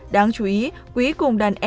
đáng chú ý quý cùng đàn em